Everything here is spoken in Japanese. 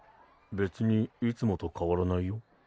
別にいつもと変わらないよ。